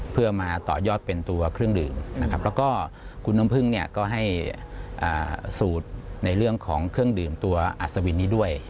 เพื่อมาต่อยอดเป็นตัวเครื่องดื่มนะครับแล้วก็คุณน้ำพึ่งเนี่ยก็ให้สูตรในเรื่องของเครื่องดื่มตัวอัศวินนี้ด้วย